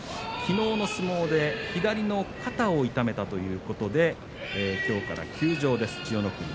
きのうの相撲で左の肩を痛めたということできょうから休場です。